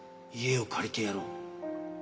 家を借りてやろう。